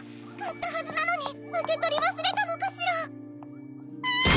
かったはずなのにうけとりわすれたのかしら！？